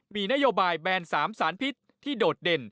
มีนโยบายแบน๓สารพิษที่โดดเด่น